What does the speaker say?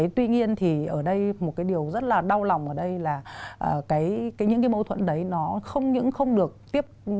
tuy nhiên thì ở đây một cái điều rất là đau lòng ở đây là những cái mâu thuẫn đấy nó không những không được tiếp